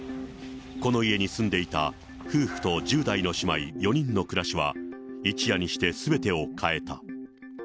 この家に住んでいた夫婦と１０代の姉妹４人の暮らしは、一夜にしてすべてを変えた。